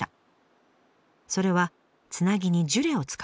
それはつなぎにジュレを使うこと。